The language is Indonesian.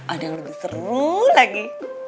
ada yang lebih seru lagi